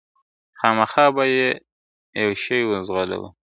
خامخا به یې یو شی وو ځغلولی ..